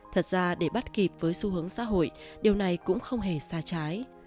thật ra để bắt kịp với xu hướng xã hội điều này cũng không hề xa trái